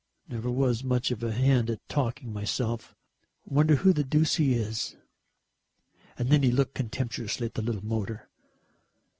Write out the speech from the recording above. Never was much of a hand at talking myself. Wonder who the deuce he is." And then he looked contemptuously at the little motor.